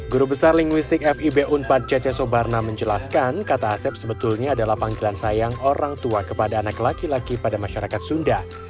guru besar linguistik fib unpad cece sobarna menjelaskan kata asep sebetulnya adalah panggilan sayang orang tua kepada anak laki laki pada masyarakat sunda